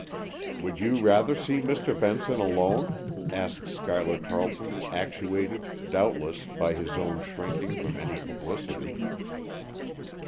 "Would you rather see Mr. Benson alone?" asked Schuyler Carleton, actuated, doubtless, by his own shrinking from any publicity.